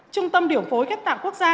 trung tâm điều phối ghép tạng quốc gia